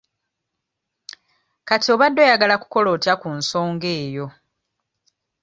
Kati obadde oyagala kukola otya ku nsonga eyo?